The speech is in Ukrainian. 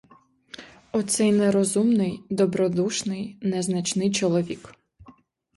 Оцей нерозумний, добродушний, незначний чоловік!